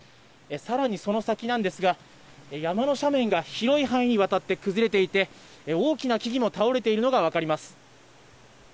更にその先なんですが山の斜面が広い範囲にわたって崩れていて大きな木々も倒れているのが分かります。